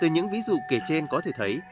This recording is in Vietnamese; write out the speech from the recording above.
những ví dụ kể trên có thể thấy